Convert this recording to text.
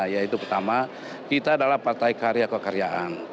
yaitu pertama kita adalah partai karya kekaryaan